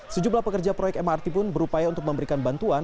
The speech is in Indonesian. sejumlah pekerja proyek mrt pun berupaya untuk memberikan bantuan